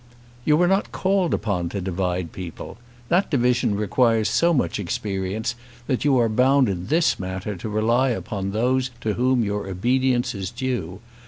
"You are not called upon to divide people. That division requires so much experience that you are bound in this matter to rely upon those to whom your obedience is due.